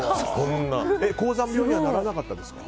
高山病にはならなかったですか？